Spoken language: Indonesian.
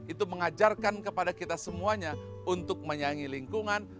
itu mengajarkan kepada kita semuanya untuk menyaingi lingkungan